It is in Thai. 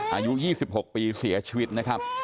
อายุ๒๖ปีเสียชีวิตนะครับ